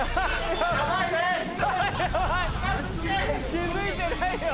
気付いてないよ！